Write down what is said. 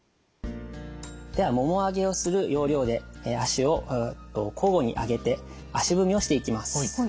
ではもも上げをする要領で足を交互に上げて足踏みをしていきます。